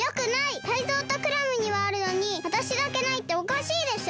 タイゾウとクラムにはあるのにわたしだけないっておかしいでしょ！？